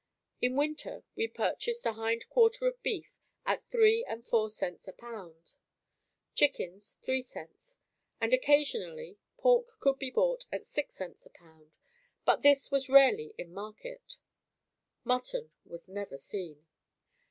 In winter, we purchased a hind quarter of beef at 3 and 4c a pound, chickens 3c and occasionally pork could be bought at 6c a pound, but this was rarely in market. Mutton was never seen.